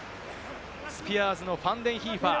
スピアーズのファンデンヒーファー。